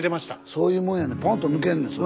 そういうもんやねんポンと抜けんねんそれ。